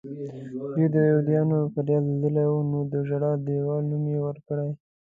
دوی د یهودیانو فریاد لیدلی و نو د ژړا دیوال نوم یې ورکړی.